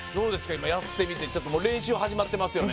今やってみてもう練習始まってますよね